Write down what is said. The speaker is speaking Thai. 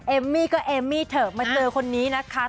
เอมมี่ก็เอมมี่เถอะมาเจอคนนี้นะคะ